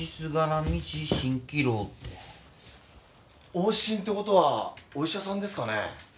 往診ってことはお医者さんですかね？